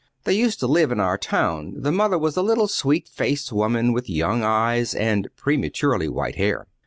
They used to live in our town. The mother was a little sweet faced woman with young eyes and prematurely white hair."